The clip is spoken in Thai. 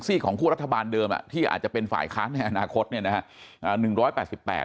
ของคั่วรัฐบาลเดิมอ่ะที่อาจจะเป็นฝ่ายค้านในอนาคตเนี่ยนะฮะ